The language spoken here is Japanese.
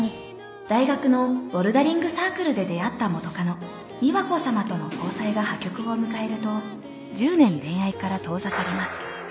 大学のボルダリングサークルで出会った元カノ美和子さまとの交際が破局を迎えると１０年恋愛から遠ざかります。